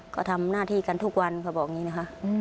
ก็ทำหน้าที่กันทุกวันเขาบอกอย่างนี้นะคะ